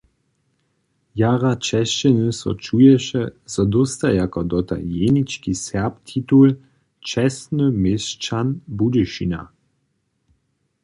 Jara česćeny so čuješe, zo dósta jako dotal jenički Serb titul „Čestny měšćan Budyšina“.